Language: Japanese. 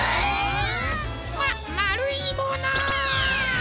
ままるいもの。